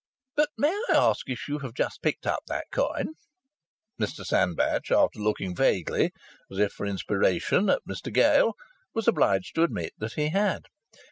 "But may I ask if you have just picked up that coin?" Mr Sandbach, after looking vaguely, as if for inspiration, at Mr Gale, was obliged to admit that he had.